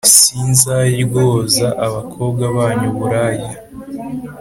Sinzaryoza abakobwa banyu uburaya,